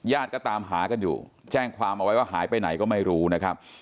ก็ตามหากันอยู่แจ้งความเอาไว้ว่าหายไปไหนก็ไม่รู้นะครับ